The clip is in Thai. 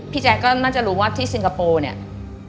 แจ๊คก็น่าจะรู้ว่าที่ซิงคโปร์เนี่ย